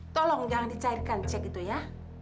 tolong jangan dicairkan cek itu ya